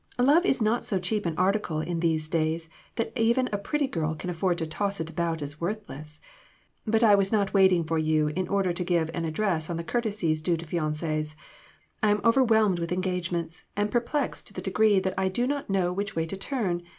Love is not so cheap an article in these days that even a pretty girl can afford to toss it about as worthless. But I was not waiting for you in order to give an address on the courtesies due to fiances ; I am overwhelmed with engagements, and perplexed to the degree that I do not know which way to turn.